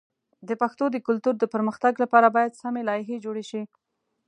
د پښتو د کلتور د پرمختګ لپاره باید سمی لایحې جوړ شي.